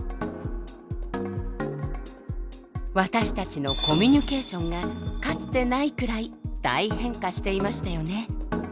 私たちのコミュニケーションがかつてないくらい大変化していましたよね。